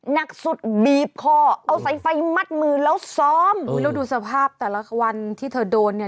หนักสุดบีบคอเอาสายไฟมัดมือแล้วซ้อมอุ้ยแล้วดูสภาพแต่ละวันที่เธอโดนเนี่ย